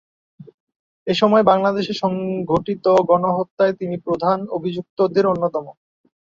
এসময় বাংলাদেশে সংঘটিত গণহত্যায় তিনি প্রধান অভিযুক্তদের অন্যতম।